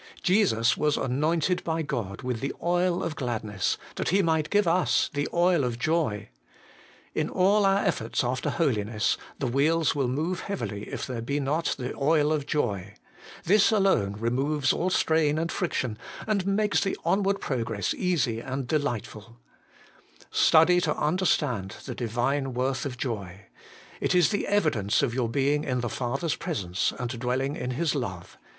Jesus was anointed by God with ' the oil of gladness,' that He might give us ' the oil of joy.' In all our efforts after holiness, the wheels will move heavily if there be not the oil of joy ; this alone removes all strain and friction, and makes the onward progress easy and delightful Study to understand the Divine worth of joy. It 190 HOLY IN CHRIST. is the evidence of your being in the Father's presence, and dwelling in His love.